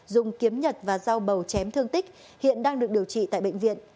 dùng kiếm nhật và rau màu chém thương tích hiện đang được điều trị tại bệnh viện